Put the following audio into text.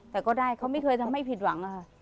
แต่ก็ได้เขาไม่เคยทำให้ผิดหวังอะค่ะ